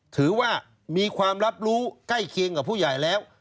ถือว่ามีความรับรู้ใกล้เคียงกับผู้ใหญ่แล้ว